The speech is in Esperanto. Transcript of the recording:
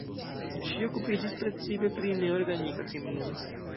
Ŝi okupiĝis precipe pri neorganika kemio.